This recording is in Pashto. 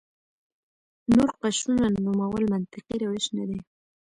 نور قشرونو نومول منطقي روش نه دی.